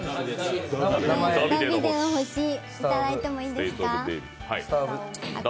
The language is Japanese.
ダビデの星、いただいてもいいですか。